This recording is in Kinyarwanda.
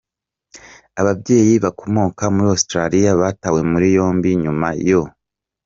Ababyeyi bakomoka muri Australia batawe muri yombi nyuma yo.